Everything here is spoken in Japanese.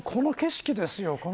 この景色ですよ。